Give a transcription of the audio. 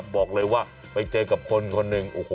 บอกเลยว่าไปเจอกับคนคนหนึ่ง